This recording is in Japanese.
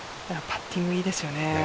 パッティングいいですよね。